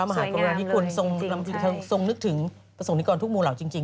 เป็นภาพมหาดกรณีที่คุณทรงนึกถึงประสงค์นิกรทุกมูลเหล่าจริง